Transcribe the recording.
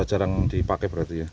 percaraan dipakai berarti ya